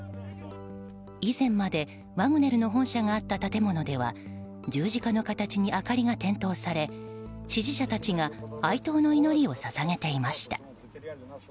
以前までワグネルの本社があった建物では十字架の形に明かりが点灯され支持者たちが哀悼の祈りを捧げていました。